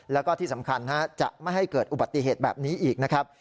แล้วก็ที่สำคัญจะไม่ให้เกิดอุบัติเหตุแบบนี้อีกนะครับ